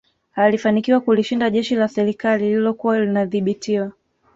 Alifanikiwa kulishinda jeshi la serikali lililokuwa linadhibitiwa